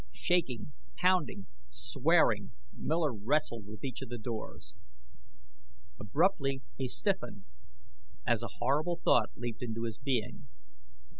Shaking, pounding, swearing, Miller wrestled with each of the doors. Abruptly he stiffened, as a horrible thought leaped into his being.